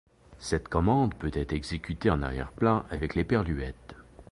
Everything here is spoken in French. Cette commande peut être exécutée en arrière-plan avec &.